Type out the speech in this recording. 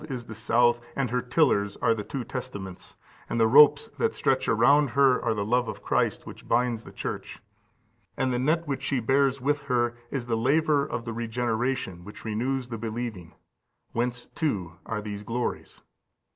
is the south, and her 217tillers are the two Testaments; and the ropes that stretch around her are the love of Christ, which binds the Church; and the net15311531 λίνον, proposed by the same for πλοῖον, boat. which she bears with her is the laver of the regeneration which renews the believing, whence too are these glories.